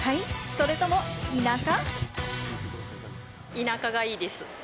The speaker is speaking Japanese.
それとも田舎？